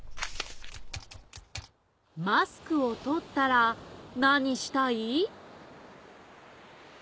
マスクをとったらなにしたい？